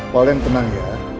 paul yang tenang ya